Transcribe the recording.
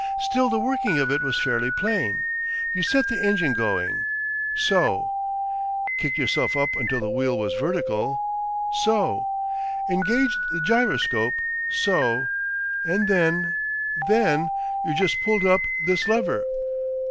Still the working of it was fairly plain. You set the engine going SO; kicked yourself up until the wheel was vertical, SO; engaged the gyroscope, SO, and then then you just pulled up this lever.